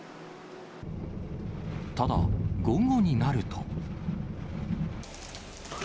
ただ、午後になると。